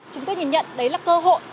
chúng tôi nhìn nhận đấy là cơ hội